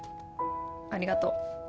ありがとう。